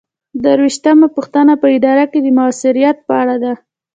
درویشتمه پوښتنه په اداره کې د مؤثریت په اړه ده.